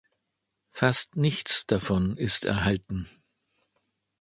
Fast nichts davon ist erhalten.